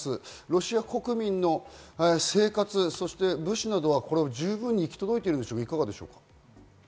ロシア国民の生活、そして物資などは十分行き届いているんでしょ